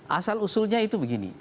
asal usulnya itu begini